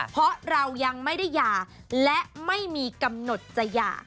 เพราะเรายังไม่ได้หย่าและไม่มีกำหนดจะหย่า